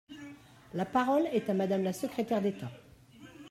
La parole est à Madame la secrétaire d’État.